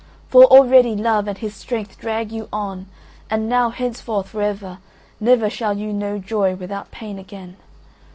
For already Love and his strength drag you on and now henceforth forever never shall you know joy without pain again.